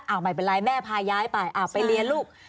ไม่เป็นไรแม่พาย้ายไปไปเรียนลูก